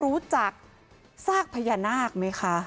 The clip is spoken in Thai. รู้จักซากพญานาคไหมคะ